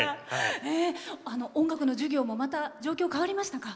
音楽の授業もまた状況、変わりましたか？